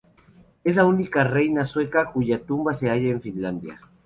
Es la única reina sueca cuya tumba se halla en Finlandia.